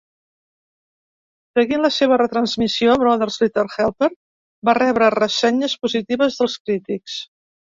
Seguint la seva retransmissió, "Brother's Little Helper" va rebre ressenyes positives dels crítics.